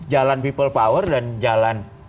jalan people power dan jalan